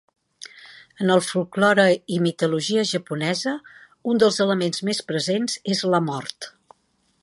En el folklore i mitologia japonesa, un dels elements més presents és la mort.